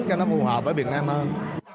cho nó phù hợp với việt nam hơn